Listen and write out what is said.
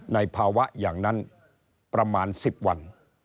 ในภาวะอย่างนั้นประมาณ๑๐วัน